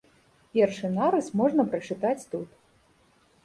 Першы нарыс можна прачытаць тут.